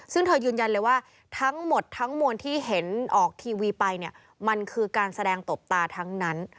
ซึ่งเธอยืนยันเลยว่าทั้งหมดทั้งมวลที่เห็นออกทีวีไปเนี่ยมันคือการแสดงตบตาทั้งนั้น